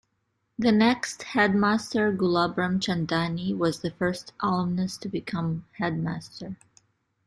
The next headmaster, Gulab Ramchandani, was the first alumnus to become headmaster.